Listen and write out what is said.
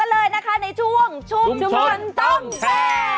กันเลยนะคะในช่วงชุมชนต้องแพ้